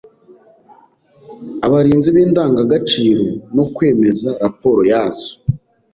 abarinzi b’indangagaciro no kwemeza raporo yazo.